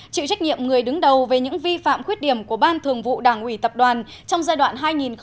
chịu trách nhiệm người đứng đầu về những vi phạm khuyết điểm của ban thường vụ đảng ủy tập đoàn trong giai đoạn hai nghìn một mươi năm hai nghìn hai mươi